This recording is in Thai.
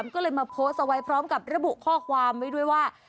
ก็เลยมาโพสต์เอาไว้พร้อมกับระบุข้อความไว้ด้วยว่า